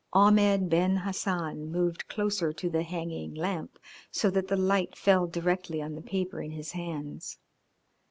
Ahmed Ben Hassan moved closer to the hanging lamp so that the light fell directly on the paper in his hands.